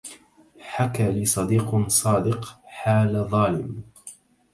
حكى لي صديق صادق حال ظالم